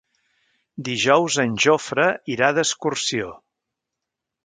Dijous en Jofre irà d'excursió.